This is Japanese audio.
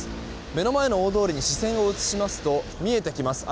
目の前の大通りに視線を移しますと見えてきます